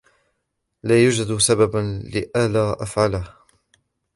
لا يوجد سبب لئلا أفعله.